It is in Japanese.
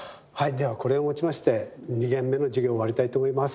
ではこれをもちまして２限目の授業を終わりたいと思います。